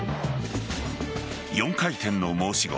４回転の申し子